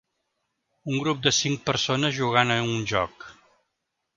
Un grup de cinc persones jugant a un joc.